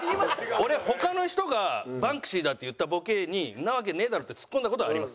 俺他の人が「バンクシーだ」って言ったボケに「そんなわけねえだろ！」ってツッコんだ事はあります。